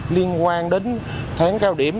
liên quan đến tháng cao điểm